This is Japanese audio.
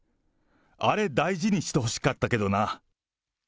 あれ、大事にしてほしかったけどな。